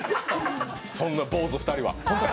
そんな坊主２人は。